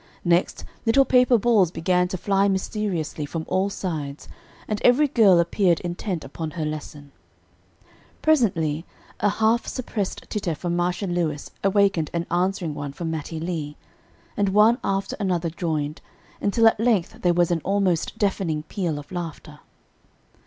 Next, little paper balls began to fly mysteriously from all sides, and every girl appeared intent upon her lesson. Presently, a half suppressed titter from Marcia Lewis awakened an answering one from Mattie Lee, and one after another joined, until at length there was an almost deafening peal of laughter.